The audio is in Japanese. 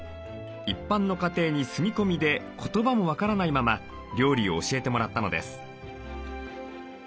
一般の家庭に住み込みで言葉も分からないまま料理を教えてもらったのです。